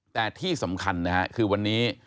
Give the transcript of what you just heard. แต่ที่สำคัญนะฮะคือวันนี้